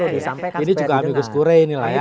disampaikan ini juga amicus curia ini lah ya